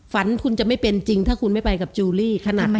ฝันคุณจะไม่เป็นจริงถ้าคุณไม่ไปกับจูลี่ขนาดนั้น